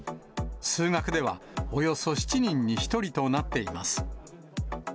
数学では、およそ７人に１人となっています。